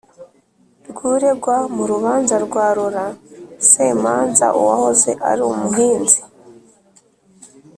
rw uregwa mu rubanza rwa Laurent Semanza uwahoze ari umuhinzi